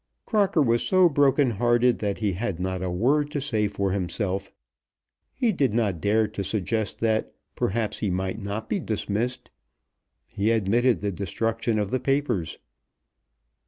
Crocker was so broken hearted that he had not a word to say for himself. He did not dare to suggest that perhaps he might not be dismissed. He admitted the destruction of the papers.